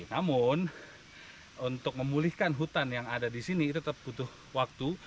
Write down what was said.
namun untuk memulihkan hutan yang ada di sini tetap butuh waktu